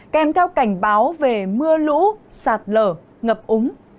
kèm theo cảnh báo về mưa lũ sạt lở ngập úng